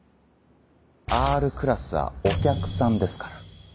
Ｒクラスはお客さんですから。